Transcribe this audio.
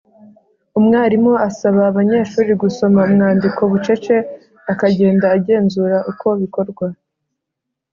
Umwarimu asaba abanyeshuri gusoma umwandiko bucece akagenda agenzura uko bikorwa.